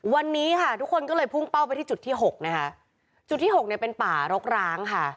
วันนี้ค่ะทุกคนก็เลยพุ่งเป้าไปที่จุดที่หกนะคะจุดที่หกเนี่ยเป็นป่ารกร้างค่ะ